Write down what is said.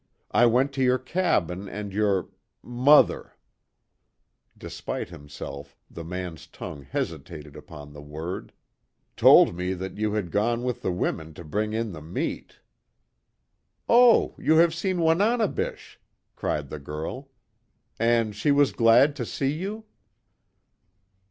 I went to your cabin, and your mother," despite himself, the man's tongue hesitated upon the word, "told me that you had gone with the women to bring in the meat." "Oh, you have seen Wananebish!" cried the girl, "And she was glad to see you?"